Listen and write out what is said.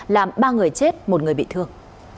làm ba người chết một người bị thương